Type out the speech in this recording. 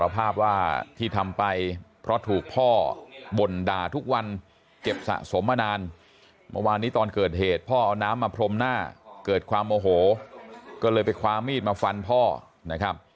แล้วคุณพ่อไม่รักไงแต่เขารักแต่เกอะจะไม่เข้าใจ